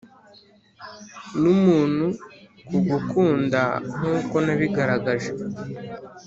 numuntu kugukunda nkuko nabigaragaje.